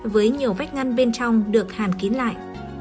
với nhiều vách ngăn bên trong được hàn kín lại